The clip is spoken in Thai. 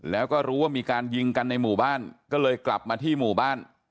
แล้วก็รู้ว่ามีการยิงกันในหมู่บ้านก็เลยกลับมาที่หมู่บ้าน